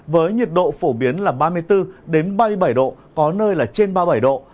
với nhiệt độ phổ biến là ba mươi bốn ba mươi bảy độ có nơi là trên ba mươi bảy độ